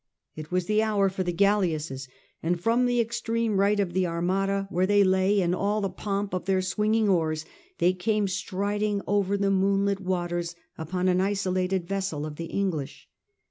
It was the hour for the galleasses, and from the extreme right of the Armada where they lay, in all the pomp of their swinging oars they came striding over the moonlit waters upon an isolated vessel of the English.